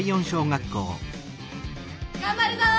がんばるぞ！